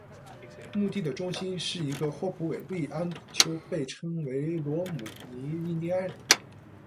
墓地的中心是一个霍普韦利安土丘，被称为罗姆尼印第安人。